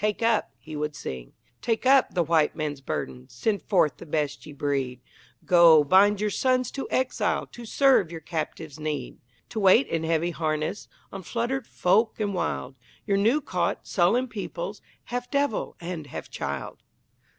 "Take up," he would sing Take up the White Man's burden, Send forth the best ye breed, Go, bind your sons to exile, To serve your captives' need; To wait in heavy harness On fluttered folk and wild Your new caught, sullen peoples, Half devil and half child.